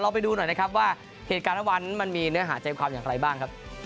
เราไปดูหน่อยว่าเหตุการณ์วันมันมีเนื้อหาใจความอย่างไรบ้าง